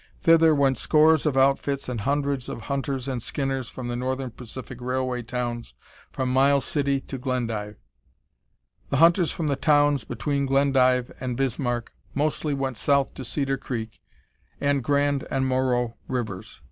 Thither went scores of "outfits" and hundreds of hunters and skinners from the Northern Pacific Railway towns from Miles City to Glendive. The hunters from the towns between Glendive and Bismarck mostly went south to Cedar Creek and the Grand and Moreau Rivers.